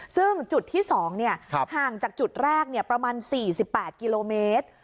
ซึ่งจุดที่๒ห่างจากจุดแรกประมาณ๔๘กิโลเมตร